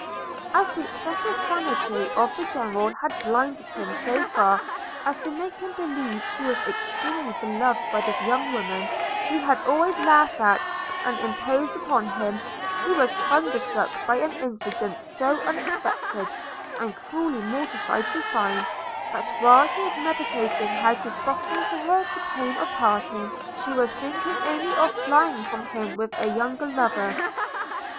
As the excessive vanity of the General had blinded him so far, as to make him believe he was extremely beloved by this young woman, who had always laughed at and imposed upon him, he was thunderstruck by an incident so unexpected, and cruelly mortified to find, that while he was meditating how to soften to her the pain of parting, she was thinking only of flying from him with a younger lover.